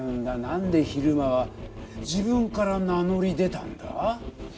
なんで比留間は自分から名乗り出たんだ？